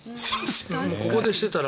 ここでしてたら。